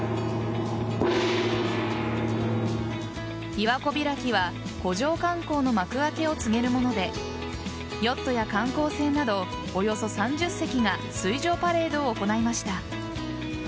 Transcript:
びわ湖開きは湖上観光の幕開けを告げるものでヨットや観光船などおよそ３０隻が水上パレードを行いました。